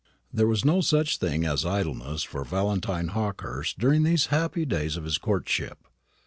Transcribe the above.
There was no such thing as idleness for Valentine Hawkehurst during these happy days of his courtship.